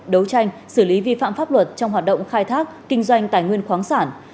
đấu tranh xử lý vi phạm pháp luật trong hoạt động khai thác kinh doanh tài nguyên khoáng sản